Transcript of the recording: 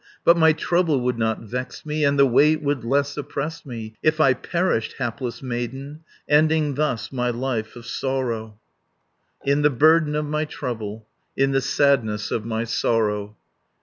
But my trouble would not vex me, And the weight would less oppress me, If I perished, hapless maiden, Ending thus my life of sorrow, In the burden of my trouble, In the sadness of my sorrow.